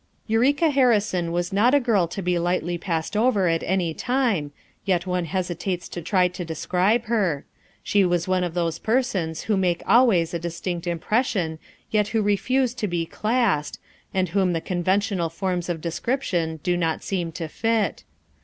Eureka Harrison was not a girl to be lightly passed over at any time, yet one hesitates to FOUR MOTHERS AT CHAUTAUQUA 19 try to describe her; she was one of those persons who make always a distinct impression yet who reiuse to be classed, and whom the conventional forms of description do not seem to fit.